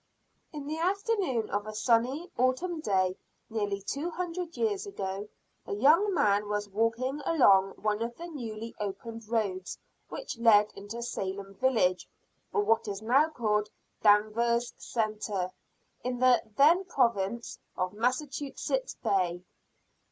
In the afternoon of a sunny Autumn day, nearly two hundred years ago, a young man was walking along one of the newly opened roads which led into Salem village, or what is now called Danvers Centre, in the then Province of Massachusetts Bay.